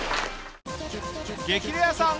『激レアさん』